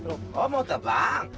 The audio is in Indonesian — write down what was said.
oh mau terbang